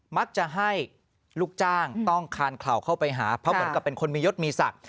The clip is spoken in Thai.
มักจะให้ลูกจ้างต้องคานเข่าเข้าไปหาเพราะเหมือนกับเป็นคนมียศมีศักดิ์